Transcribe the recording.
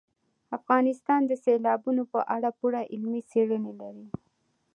افغانستان د سیلابونو په اړه پوره علمي څېړنې لري.